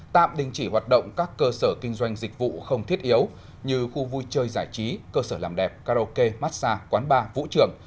tạm đình chỉ hoạt động các cơ sở kinh doanh dịch vụ không thiết yếu như khu vui chơi giải trí cơ sở làm đẹp karaoke massage quán bar vũ trường